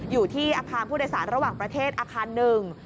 อยู่ที่อาคารผู้โดยสารระหว่างประเทศอาคารหนึ่ง